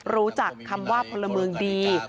รู้จักคำว่าพลเมืองดี